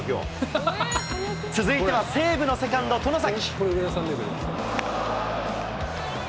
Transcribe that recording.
続いては西武のセカンド、外崎。